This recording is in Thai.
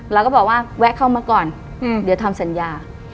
เราก็บอกว่าแวะเข้ามาก่อนเดี๋ยวทำสัญญา